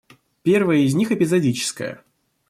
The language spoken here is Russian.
Первое из них эпизодическое.